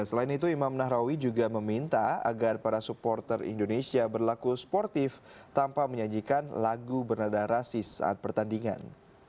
selain itu imam nahrawi juga meminta agar para supporter indonesia berlaku sportif tanpa menyajikan lagu bernada rasis saat pertandingan